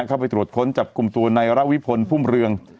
เข้าไปตรวจค้นจับกลุ่มตัวในระวิพลพุ่มเรือง